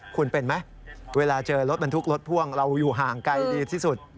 คุณเป็นไหมเวลาเจอรถบรรทุกรถพ่วงเราอยู่ห่างไกลดีที่สุด